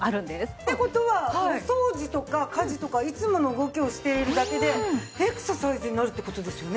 っていう事はお掃除とか家事とかいつもの動きをしているだけでエクササイズになるって事ですよね。